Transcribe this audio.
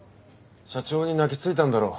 社長に泣きついたんだろ。